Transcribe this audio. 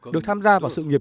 được tham gia vào sự nghiệp